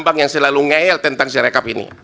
bapak yang selalu ngeel tentang si rekap ini